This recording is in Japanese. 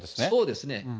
そうですね。